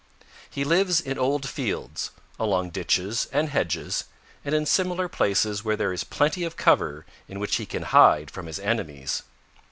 "He lives in old fields, along ditches and hedges, and in similar places where there is plenty of cover in which he can hide from his enemies.